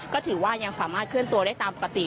ก็ถือว่ายังสามารถเคลื่อนตัวได้ตามปกติ